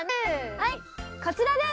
はいこちらです！